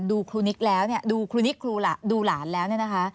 ดูครูนิกแล้วเนี่ยดูครูนิกครูล่ะดูหลานแล้วเนี่ยนะคะ